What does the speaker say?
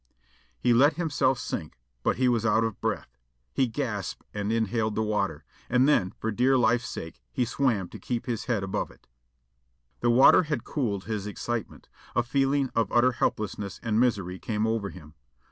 He let himself sink, but he was out of breath. He gasped and inhaled the water, and then, for dear life's sake, he swam to keep his head above it. The water had cooled his excitement; a feeling of utter helplessness and misery came over him.